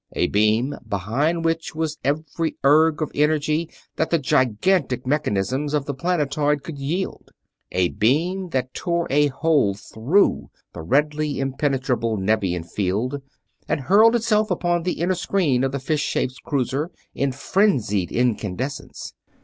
A beam behind which was every erg of energy that the gigantic mechanisms of the planetoid could yield. A beam that tore a hole through the redly impenetrable Nevian field and hurled itself upon the inner screen of the fish shaped cruiser in frenzied incandescence.